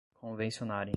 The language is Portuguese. convencionarem